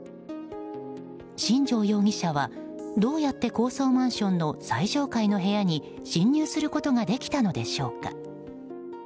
新城容疑者はどうやって高層マンションの最上階の部屋に侵入することができたのでしょうか。